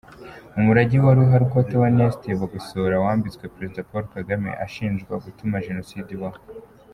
Umurage wa ruharwa Theoneste Bagosora wambitswe Perezida Paul Kagame ashinjwa gutuma Jenoside ibaho.